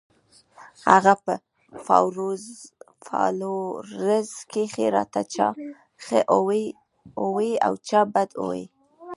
د هغه پۀ فالوورز کښې راته چا ښۀ اووې او چا بد اووې